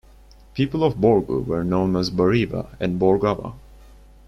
People of Borgu were known as Bariba and Borgawa.